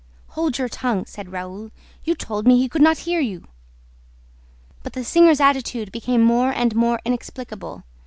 "Hold your tongue!" said Raoul. "You told me he could hear you!" But the singer's attitude became more and more inexplicable.